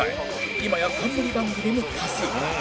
今や冠番組も多数